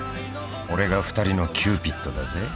俺が２人のキューピッドだぜ